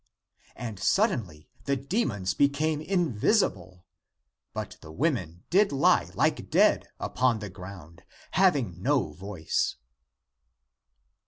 And suddenly the demons became invis ible. But the women did lie like dead upon the ground, having no voice.